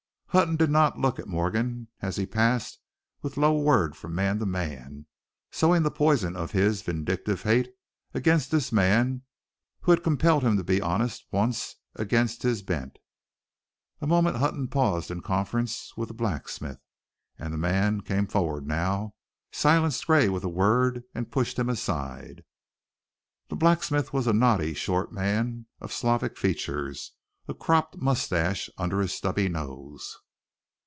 Hutton did not look at Morgan as he passed with low word from man to man, sowing the poison of his vindictive hate against this man who had compelled him to be honest once against his bent. A moment Hutton paused in conference with the blacksmith, and that man came forward now, silenced Gray with a word and pushed him aside. The blacksmith was a knotty short man of Slavic features, a cropped mustache under his stubby nose.